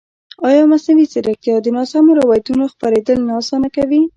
ایا مصنوعي ځیرکتیا د ناسمو روایتونو خپرېدل نه اسانه کوي؟